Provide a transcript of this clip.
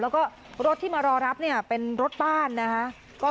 แล้วก็รถที่มารอรับเป็นรถบ้านนะครับ